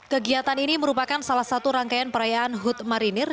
kegiatan ini merupakan salah satu rangkaian perayaan hud marinir